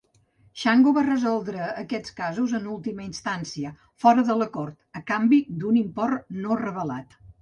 Xango va resoldre aquests casos en última instància, fora de la cort, a canvi d'un import no revelat.